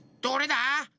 どれだ？